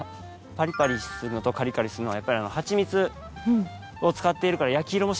パリパリするのとカリカリするのはやっぱりはちみつを使っているから焼き色もしっかりついて。